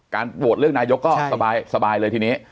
โหวตเลือกนายกก็สบายเลยทีนี้